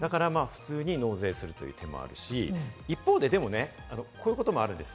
だから普通に納税するという手もあるし、一方でこういうこともあるんです。